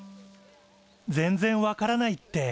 全然分からないって。